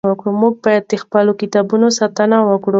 موږ باید د خپلو کتابونو ساتنه وکړو.